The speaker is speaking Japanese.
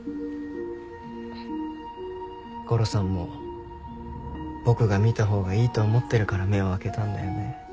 ゴロさんも僕が見たほうがいいと思ってるから目を開けたんだよね。